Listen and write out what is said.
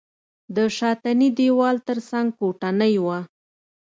د شاتني دېوال تر څنګ کوټنۍ وه.